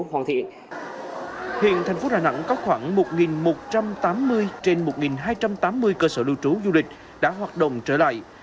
hiện thành phố đà nẵng có khoảng một một trăm tám mươi trên một hai trăm tám mươi cơ sở lưu trú du lịch đã hoạt động trở lại